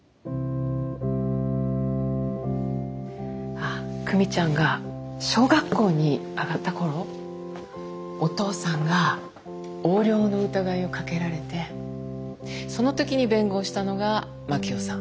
あっ久美ちゃんが小学校に上がった頃お父さんが横領の疑いをかけられてその時に弁護をしたのが真樹夫さん。